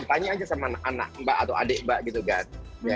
tanya aja sama anak mbak atau adik mbak gitu kan